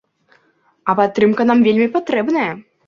А падтрымка нам вельмі патрэбная!